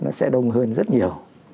nó sẽ đông hơn rất nhiều